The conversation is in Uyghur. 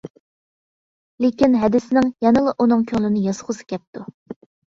لېكىن، ھەدىسىنىڭ يەنىلا ئۇنىڭ كۆڭلىنى ياسىغۇسى كەپتۇ.